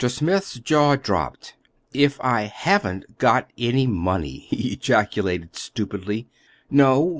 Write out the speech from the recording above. Smith's jaw dropped. "If I haven't got any money!" he ejaculated stupidly. "No!